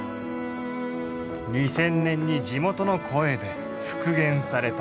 ２０００年に地元の声で復元された。